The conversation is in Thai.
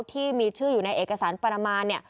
ที่มีชื่ออยู่ในเอกสารปานามา